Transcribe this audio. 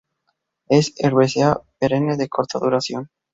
Es herbácea, perenne de corta duración.